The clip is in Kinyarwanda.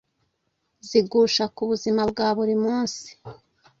zigusha ku buzima bwa buri munsi;